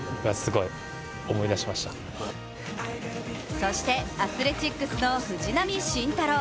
そしてアスレチックスの藤浪晋太郎。